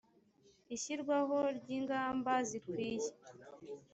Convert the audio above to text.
ishyirwaho ry ingamba zikwiye